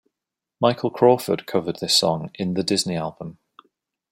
Michael Crawford covered this song in "The Disney Album".